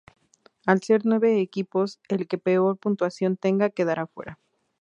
Al ser nueve equipos, el que peor puntuación tenga queda fuera.